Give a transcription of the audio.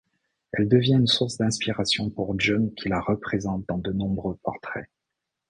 Elle devient une source d'inspiration pour John qui la représente dans de nombreux portraits.